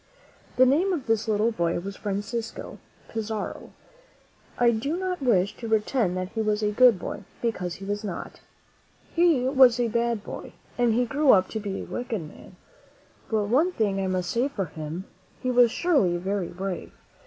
The name of this little boy was Francisco Pizarro. I do not wish to pretend that he was a good boy, because he was not. He was a r«*'/ } "'S ■IHj THE SWINEHERD WHO WANTED CASTLE bad boy, and he grew up to be a wicked man; but one thing I must say for him, he was surely very brave.